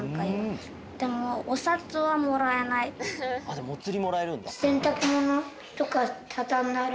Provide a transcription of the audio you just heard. でもおつりもらえるんだ。